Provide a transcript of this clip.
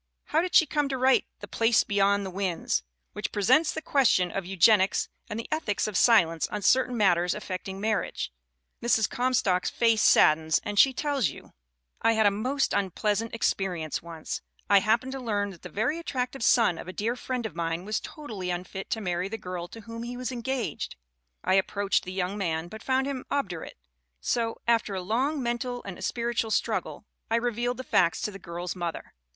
How did she come to write The Place Beyond the Winds which presents the ques HARRIET T. COM STOCK 337 tion of eugenics and the ethics of silence on certain matters affecting marriage? Mrs. Comstock's face saddens and she tells you: "I had a most unpleasant experience once. I hap pened to learn that the very attractive son of a dear friend of mine was totally unfit to marry the girl to whom he was engaged. I approached the young man, but found him obdurate; so, after a long mental and spiritual struggle, I revealed the facts to the girl's mother.